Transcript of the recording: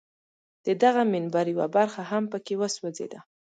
د دغه منبر یوه برخه هم په کې وسوځېده.